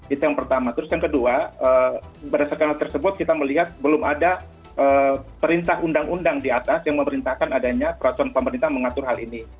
itu yang pertama terus yang kedua berdasarkan hal tersebut kita melihat belum ada perintah undang undang di atas yang memerintahkan adanya peraturan pemerintah mengatur hal ini